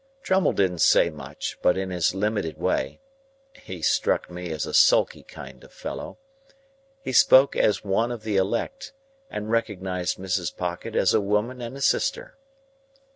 Drummle didn't say much, but in his limited way (he struck me as a sulky kind of fellow) he spoke as one of the elect, and recognised Mrs. Pocket as a woman and a sister.